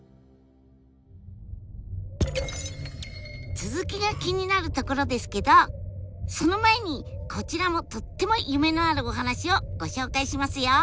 続きが気になるところですけどその前にこちらもとっても夢のあるお話をご紹介しますよ。